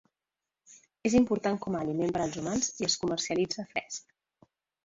És important com a aliment per als humans i es comercialitza fresc.